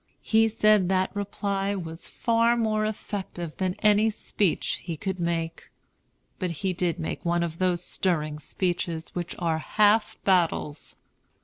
He said that reply was far more effective than any speech he could make. But he did make one of those stirring speeches which are "half battles."